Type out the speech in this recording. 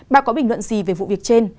bạn có bình luận gì về vụ việc trên